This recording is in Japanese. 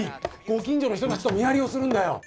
ご近所の人たちと見張りをするんだよ。